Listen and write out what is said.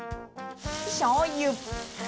しょうゆ。